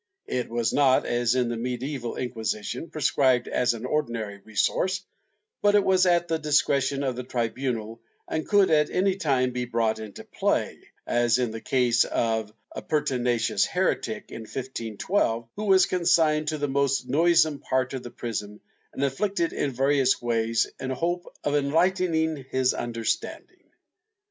It was not, as in the medieval Inquisition, prescribed as an ordinary resource, but it was at the discretion of the tribunal and could at any time be brought into play, as in the case of a pertinacious heretic, in 1512, who was consigned to the most noisome part of the prison, and afflicted in various ways, in the hope of enlightening his understanding.